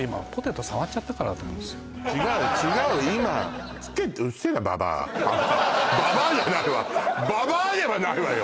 違う違う今ババアじゃないわババアではないわよ